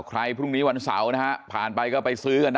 ใครพรุ่งนี้วันเสาร์นะฮะผ่านไปก็ไปซื้อกันนะ